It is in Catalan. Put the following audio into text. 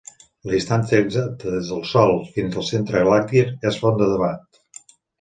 La distància exacta des del Sol fins al centre galàctic és font de debat.